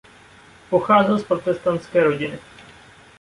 Pocházel z protestantské rodiny.